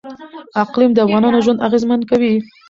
اقلیم د افغانانو ژوند اغېزمن کوي.